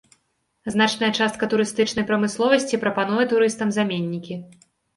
Значная частка турыстычнай прамысловасці прапануе турыстам заменнікі.